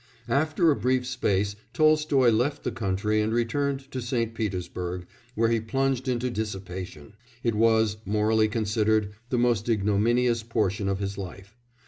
After a brief space Tolstoy left the country and returned to St. Petersburg, where he plunged into dissipation; it was, morally considered, the most ignominious portion of his life.